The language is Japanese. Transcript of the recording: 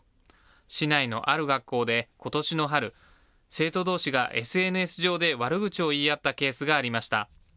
市内のある学校で、ことしの春、生徒どうしがＳＮＳ上で悪口を言い合ったケースがありました。